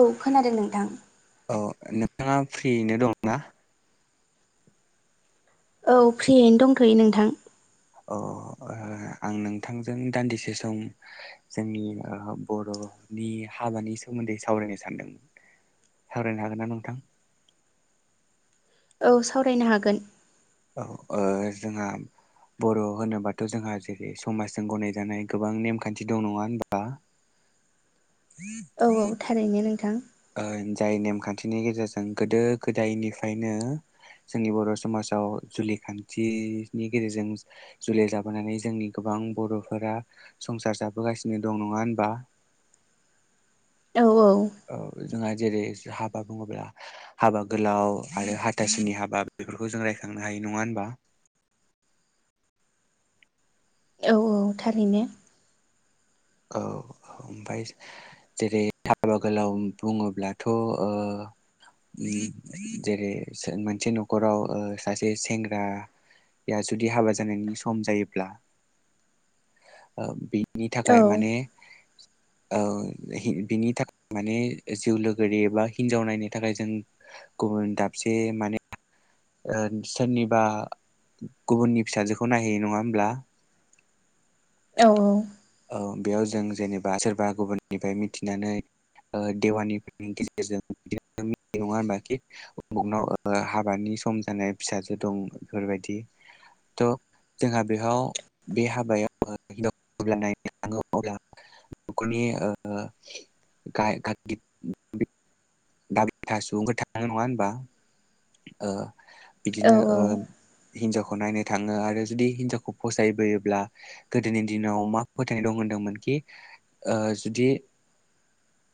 औ खोनादों नोंथां। अह, नोंथाङा फ्रियैनो दङना? औ फ्रियैनो दंथ'यो नोंथां। अह आ आं नोंथांजों दान्दिसे सम जोंनि ओ बर' नि हाबानि सोमोन्दै सावरायनो सानदोंमोन, सावरायनो हागोन ना नोंथां? औ सावरायनो हागोन। औ ओह जोंहा बर' होनोबाथ' जोंहा जेरै समाजजों गनायजानाय गोबां नेमखान्थि दं, नङा होनबा? औ औ थारैनो नोंथां। ओ जाय नेमखान्थिनि गेजेरजों गोदो गोदायनिफ्रायनो जोंनि बर' समाजाव जुलि खान्थिनि गेजेरजों जुलि जाबोनानै जोंनि गोबां बां बर'फोरा संसार जाबोगासिनो दं, नङा होनबा? औ औ औ। जोंहा जेरै हाबा बुङोब्ला हाबा गोलाव आरो हाथासुनि हाबा बेफोरखौ जों राय खांनो हायो, नंङा होनबा? औ औ थारैनो। औ। ओमफाय जेरै हाबा गोलाव बुङोब्लाथ' ओ जेरै सो मोनसे न'खराव ओ सासे सेंग्रा या जुदि हाबा जानायनि सम जायोब्ला ओ बिनि औ खाय माने औ हि बिनि थाखाय माने जिउ लोगोरि एबा हिनजाव नायनो थाखाय जों गुबुन दाबसे माने ओ सोरनिबा गुबुननि फिसाजोखौ नायहैयो, नङा होमब्ला? औ औ। औ बेयाव जों जेनेबा सोरबा गुबुननिफाय मिथिनानै ओ देवानिफोरनि गेजेरजों बिदि [unintelligible] नङा होनबा कि [unintelligible] ओ हाबानि सम जानाय फिसाजो दं बेफोरबादि। थ' जोंहा बेहाव बे हाबायाव [unintelligible] अब्ला नायनो थांगौ अब्ला न'खरनि ओ। गाय गागि [unintelligible] दाबथा सुबुंफोर थाङो नङा होनबा। औ बिदिनो ओ। हिनजावखौ नायनो थाङो आरो जुदि हिनजावखौ फसायबोयोब्ला गोदोनि दिनाव मा फोथायनाय दं होनदों। मोनखि ओ जुदि। [unintelligible]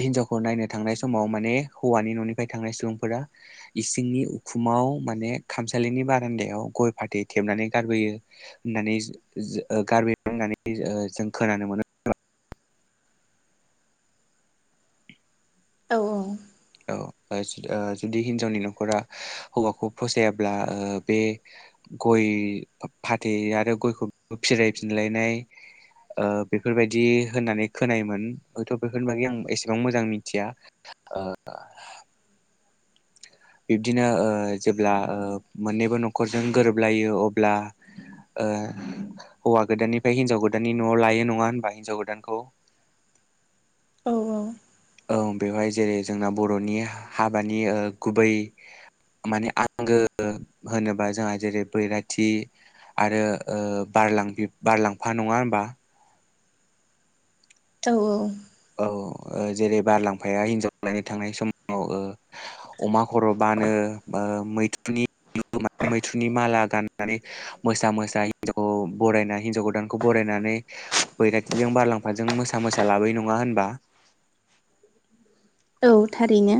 हिनजावखौ नायनो थांनाय समाव माने हौवानि न'निफ्राय थांनाय सुबुंफोरा। इसिंनि उखुमाव माने खामसालिनि बारान्दायाव गय फाथै थेबनानै गारबोयो। होननानै गारबोयो होननानै जों खोनानो मोनो। [unintelligible] औ औ। ओ जुदि हिनजावनि न'खरा हौवाखौ फसायाब्ला ओ बे। गय फाथै आरो गयखौ फिरायफिनलायनाय। ओ बेफोरबायदि होननानै खोनायोमोन हयथ' बेफोरनि बागै आं एसेबां मोजां मिथिया। [unintelligible] बिब्दिनो ओ जेब्ला ओ मोननैबो न'खरजों गोरोबलायो अब्ला। ओ हौवा गोदाननिफ्राय हिन्जाव गोदाननि न'आव लायो नङा होनबा हिन्जाव गोदानखौ। औ औ। औ बेवहाय जेरै जोंना बर'नि हाबानि ओ गुबै। माने आंगो होनोबा जोंहा जेरै बैराथि। आरो ओ बारलां बारलांफा नङा होमबा। औ औ। जेरै बारलांफाया हिनजाव लायनो थांनाय समाव अमा खर'बानो। ओ मैथुनि। मैथ्रुनि माला गाननानै मोसा मोसा हिन्जाव बरायना हिन्जाव गोदानखौ बरायनानै। बैरथि जों बारलांफाजों मोसा मोसा लाबोयो न नङा होनबा। औ थारैनो।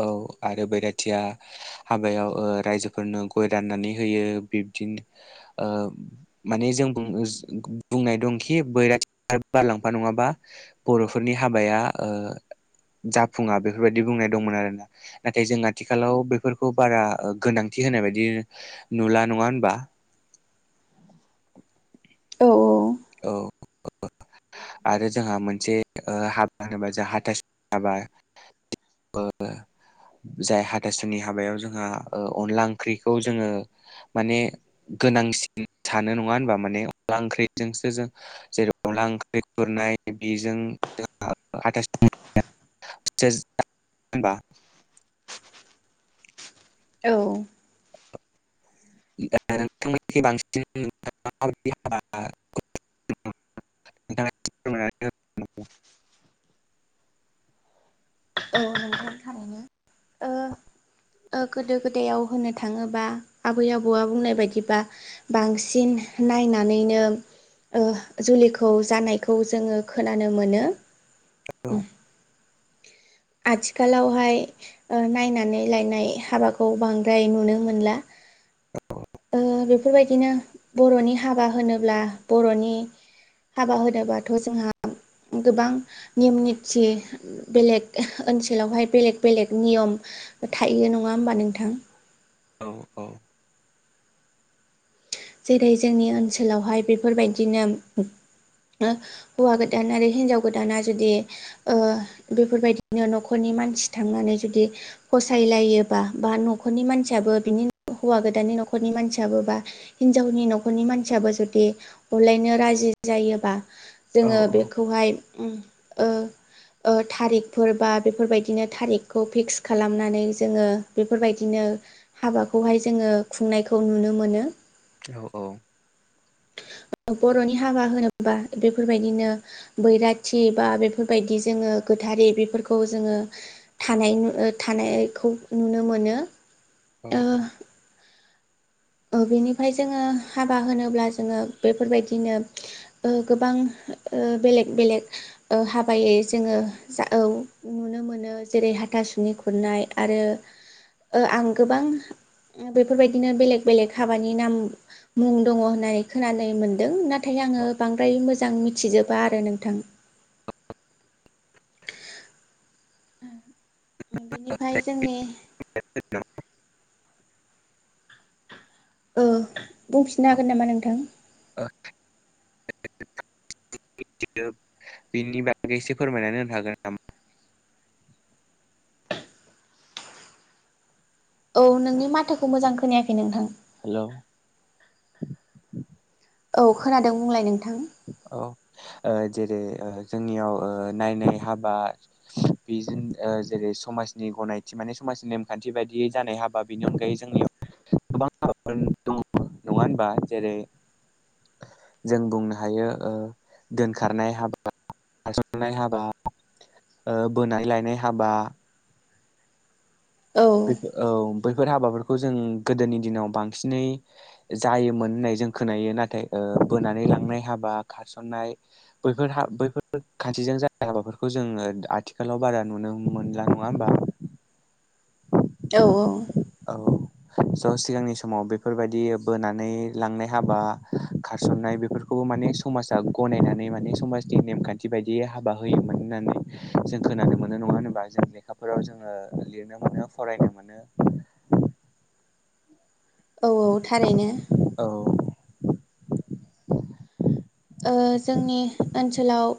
औ आरो बैराथिया हाबायाव रायजोफोरनो गय राननानै होयो। बिदिनो ओ माने जों बुंनाय दंखि बैराथि। बारलांफा नङा बर'फोरनि हाब जाफुङा बेफोरबायदि बुंनाय। दंमोन आरो ना नाथाय जों आथिखालाव बेफोरखौ बारा गोनांथि होनाय बायदि नुला। नङा होनबा। [unintelligible] औ औ। आरो जोंहा मोनसे हाबा होनोबा जों हाथासुनि हाबा। [unintelligible] जाय हाथासुनि हाबायाव जोंहा ओ अनला ओंख्रिखौ जोङो माने गोनांसिन सानो नङा होनबा माने अनला ओंख्रि जोंसो जों जेरै अनला ओंख्रि खुरनाय बेजों हाथासुनि [unintelligible] [unintelligible] औ [unintelligible] [unintelligible] [unintelligible] औ नोंथां थारैनो ओ‌ गोदो गोदायाव होननो थाङोबा आबै आबौआ बुंनाय बायदिबा बांसिन नायनानैनो ओ जुलिखौ जानायखौ जोङो खोनानो मोनो औ। आथिखालावहाय ओ नायनानै लायनाय हाबाखौ बांद्राय नुनो मोनला। [unintelligible] ओ बेफोरबायदिनो बर'नि हाबा होनोब्ला बर'नि हाबा होनोबाथ' जोंहा गोबां नियम निथि बेलेग ओनसोलावहाय बेलेग बेलेग नियम थायो नङा होमबा नोंथां? औ औ। जेरै जोंनि ओनसोलावहाय बेफोरबायदिनो हौवा गोदान आरो हिनजाव गोदाना जुदि ओ बेफोरबायदिनो न'खरनि मानसि थांनानै जुदि फसायलायोबा बा न'खरनि मानसियाबो बिनि हौवा गोदाननि न'खरनि मानसियाबो बा हिनजावनि न'खरनि मानसियाबो जुदि हरलायनो राजि जायोबा औ जोङो बेखौहाय ओ ओ थारिखफोर बा बेफोरबायदिनो थारिखखौ फिक्स खालामनानै जोङो बेफोरबायदिनो ओ हाबाखौहाय जोङो खुंनायखौ नुनो मोनो। औ औ। [inaudible] बर'नि हाबा होनोबा बेफोरबायदिनो बैराथि बा बेफोरबायदि जोङो फोथारि बेफोरखौ जोङो थानाय नु थानायखौ नुनो मोनो। औ औ। ओ बेनिफ्राय जोङो हाबा होनोब्ला जोङो बेफोरबायदिनो ओ गोबां ओ बेलेग बेलेग ओ हाबायै जोङो जा औ नुनो मोनो, जेरै हाथासुनि खुरनाय आरो ओ आं गोबां बेफोरबायदिनो बेलेग बेलेग हाबानि नाम मुं दङ होननानै खोनानो मोन्दों नाथाय आङो बांद्राय मोजां मिथिजोबा आरो नोंथां। बिनिफ्राय जोंनि ओ बुंफिननो हागोन नामा नोंथां? [unintelligible] [unintelligible] बिनि बागै एसे फोरमायनानै होनो हागोन नामा? औ नोंनि माथोखौ मोजां खोनायाखै नोंथां। हेलौ। औ खोनादों बुंलाय नोंथां। औ ओ जेरै ओ जोंनियाव ओ नायनानै हाबा बेजों ओ ओ जेरै समाजनि गनायथि माने समाजनि नेमखान्थि बायदियै जानाय हाबा बेनि अनगायै जोंनियाव गोबां हाबाफोर दङ नङा होनबा जेरै जों बुंनो हायो ओ दोनखारनाय हाबा खारसननाय हाबा ओ बोनानै लायनाय हाबा औ बे औ। बैफोर हाबाफोरखौ जों गोदोनि दिनाव बांसिनै जायोमोन होननाय जों खोनायो नाथाय बोनानै लांनाय हाबा खारसनाय बैफोर बैफोर खान्थिजों ज हाबाफोरखौ जों जोङो आथिखालाव बारा नुनो मोनला नङा होमबा? [unintelligible] औ औ। [unintelligible] स' सिगांनि समाव बेफोरबायदि बोनानै लांनाय हाबा खारसननाय बेफोरखौबो माने नै समाजा गनायनानै माने समाजनि नेमखान्थि बायदियै हाबा होयोमोन होननानै जों खोनानो मोनो नङा होनोबा जों लेखाफोराव जोङो लिरनो मोनो फरायनो मोनो। औ औ थारैनो। औ ओ। जोंनि ओनसोलाव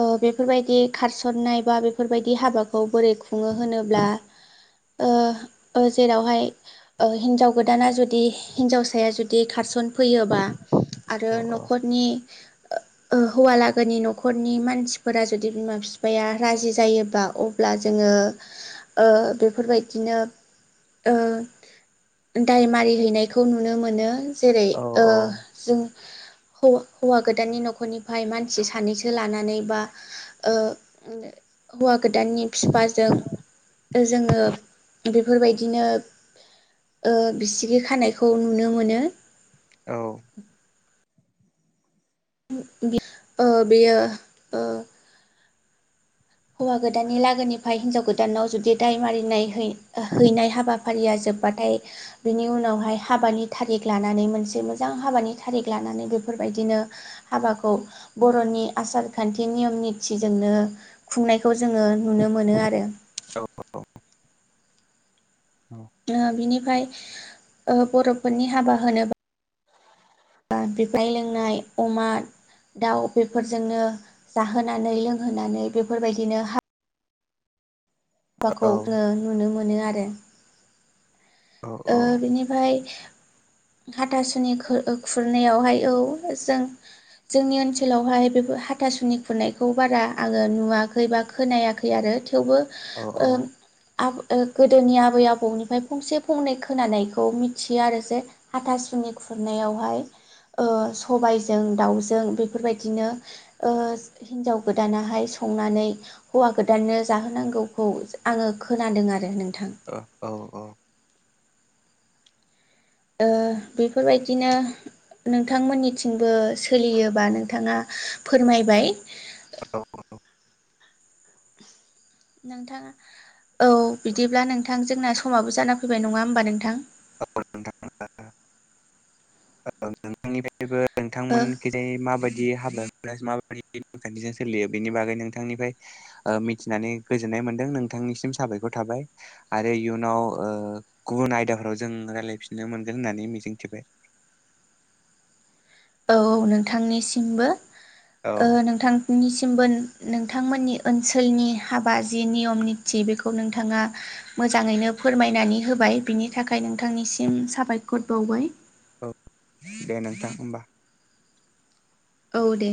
ओ बेफोरबायदि खारसननाय बा बेफोरबायदि हाबाखौ बोरै खुङो होनोब्ला ओ ओ जेरावहाय ओ हिन्जाव गोदाना जुदि हिन्जावसाया जुदि खारसन फैयोबा आरो अ न'खरनि हौवालागोनि न'खरनि मानसिफोरा जुदि बिमा बिफाया राजि जायोबा अब्ला जोङो ओ बेफोरबायदिनो ओ दाय मारिहैनायखौ नुनो मोनो जेरै औ ओ जोंखौ हौवा गोदाननि न'खरनिफ्राय मानसि सानैसो लानानै बा ओ हौवा गोदाननि बिफाजों जोङो बेफोरबायदिनो ओ बिसिगि खानायखौ नुनो मोनो। औ। बि ओ बेयो ओ हौवा गोदाननि लागोनिफ्राय हिनजाव गोदानाव जुदि दाय मारिनाय है-हैनाय हाबाफारिया जो बाथाय बिनि उनावहाय हाबानि थारिख लानानै मोनसे मोजां हाबानि थारिख लानानै बेफोर बेफोरबायदिनो हाबाखौ बर'नि आसार खान्थि नियम निथिजोंनो खुंनायखौ जोङो नुनो मोनो आरो। औ [unintelligible] औ ओ बिनिफ्राय ओ बर'फोरनि हाबा होनोबा [unintelligible] लोंनाय अमा दाउ बेफोरजोंनो जाहोनानै लोंहोनानै बेफोरबायदिनो हा औ बाखौ ओ नुनो मोनो आरो। ओ बिनिफ्राय हाथासुनि खु-खुरनायावहाय औ जों जोंनि ओनसोलावहाय बेफोर हाथासुनि खुरनायखौ बारा आंङो नुवाखै बा खोनायाखै आरो। थेवबो औ औ ओ आब गोदोनि आबै आबौनिफाय फंसे फंनै खोनानायखौ मिथियो आरो जे हाथासुनि खुरनायावहाय ओ सबायजों दाउजों बेफोरबायदिनो हिनजाव ओ गोदानाहाय संनानै हौवा गोदाननो जाहोनांगौखौ आंङो खोनादों आरो नों औ औ। ओ बेफोरबायदिनो नोंथांमोननिथिंबो सोलियोबा नोंथाङा फोरमायबाय। [unintelligible] नोंथाङा औ बिदिब्ला नोंथां जोंना समाबो जाना फैबाय नङा होमबा नोंथां? औ नोंथां [unintelligible] औ नोंथांनिफाय [unintelligible] ओ नोंथांमोनखिजाय माबायदि हालोद [unintelligible] सोलियो बेनि बागै नोंथांनिफ्राय मिथिनानै गोजोननाय मोनदों नों थांनिसिम साबायखर थाबाय आरो इयुनाव ओ गुबुन आयदाफोराव जों रायज्लायफिननो मोनगोन होननानै मिजिंथिबाय। औ नोंथांनिसिमबो औ ओ नोंथांनिसि बो नोंथांमोननि ओनसोलनि हाबा जि नियम निति बेखौ नोंथाङा मोजाङैनो फोरमायनानै होबाय बिनि थाखाय नोंथांनिसिम साबायखर बावबाय। औ। दे नोंथां होमबा। औ दे।